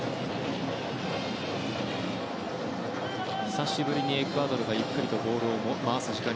久しぶりにエクアドルがゆっくりとボールを回す時間。